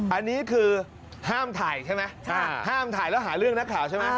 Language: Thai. อันนี้คือห้ามถ่ายใช่ไหมห้ามถ่ายแล้วหาเรื่องนักข่าวใช่ไหม